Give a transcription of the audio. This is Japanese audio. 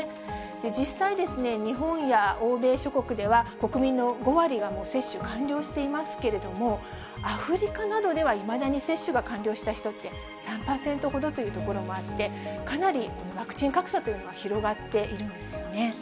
実際、日本や欧米諸国では、国民の５割がもう接種完了していますけれども、アフリカなどではいまだに接種が完了した人って３％ほどという所もあって、かなりワクチン格差というのが広がっているんですよね。